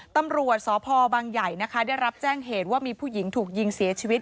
ตำรวจสพบังใหญ่นะคะได้รับแจ้งเหตุว่ามีผู้หญิงถูกยิงเสียชีวิต